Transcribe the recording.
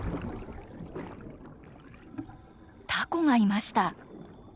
タコがいました。